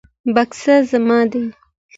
بکس زما دی